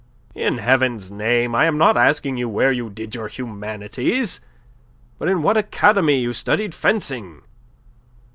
"In Heaven's name! I am not asking you where you did your humanities, but in what academy you studied fencing."